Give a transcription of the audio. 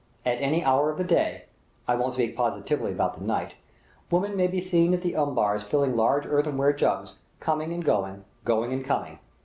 At any hour of the day I won't speak positively about the night women may be seen at the unbars filling large earthenware jugs, coming and going, going and coming.